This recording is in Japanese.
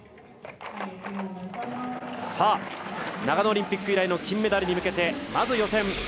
長野オリンピック以来の金メダルに向けてまず予選。